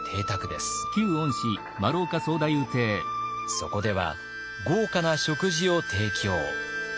そこでは豪華な食事を提供。